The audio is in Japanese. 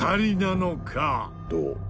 どう？